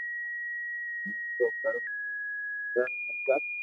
ھون تو ڪرو تو ڪر ني ڪر